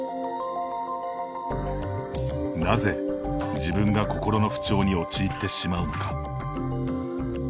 なぜ、自分が心の不調に陥ってしまうのか。